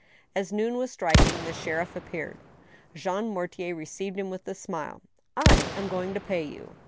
As noon was striking, the sheriff appeared. Jean Mortier re ceived him with a smile. " I am going to pay you."